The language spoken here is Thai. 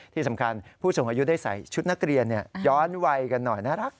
ที่สำคัญผู้สูงอายุได้ใส่ชุดนักเรียนย้อนวัยกันหน่อยน่ารัก